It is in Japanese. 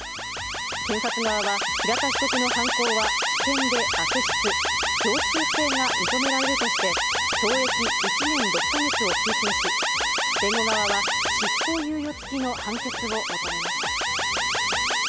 検察側は、平田被告の犯行は危険で悪質、常習性が認められるとして、懲役１年６か月を求刑し、弁護側は執行猶予付きの判決を求めました。